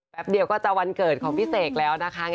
แป๊บเดียวก็จะวันเกิดของพิเศษแล้วนะคะ